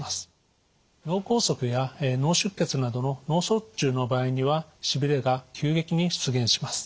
脳梗塞や脳出血などの脳卒中の場合にはしびれが急激に出現します。